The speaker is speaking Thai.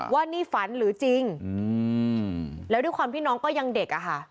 ว่านี่ฝันหรือจริงแล้วด้วยความที่น้องก็ยังเด็กอะค่ะ